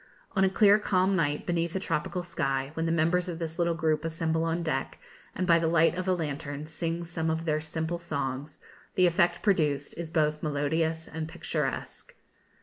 On a clear calm night, beneath a tropical sky, when the members of this little group assemble on deck, and, by the light of a lantern, sing some of their simple songs, the effect produced is both melodious and picturesque.